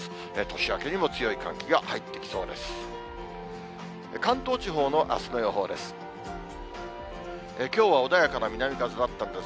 年明けにも強い寒気が入ってきそうです。